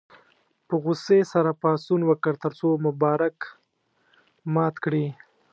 په غوسې سره پاڅون وکړ تر څو مبارک مات کړي.